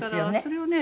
それをね